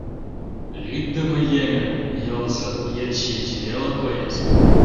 Лӱддымӧ еҥын йолжо йыч-йыч веле коеш.